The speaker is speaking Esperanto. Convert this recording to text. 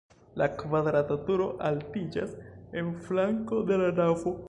La kvadrata turo altiĝas en flanko de la navo.